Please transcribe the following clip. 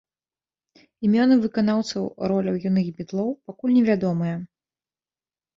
Імёны выканаўцаў роляў юных бітлоў пакуль невядомыя.